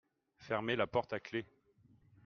Fermer la porte à clef.